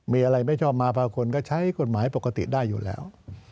มีอะไรไม่ชอบมาต่อโบสถ์ก็ได้ใช้กฎหมายได้อยู่แล้ว